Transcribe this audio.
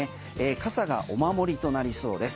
傘がお守りとなりそうです。